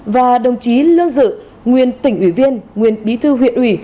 và đồng chí lương dự nguyên tỉnh ủy viên nguyên bí thư huyện ủy